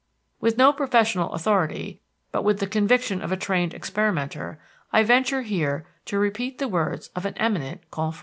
With no professional authority, but with the conviction of a trained experimenter, I venture here to repeat the words of an eminent confrère.